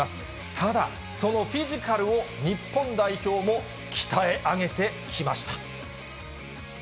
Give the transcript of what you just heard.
ただそのフィジカルを日本代表も鍛え上げてきました。